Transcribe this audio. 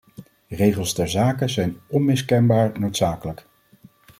Regels ter zake zijn onmiskenbaar noodzakelijk.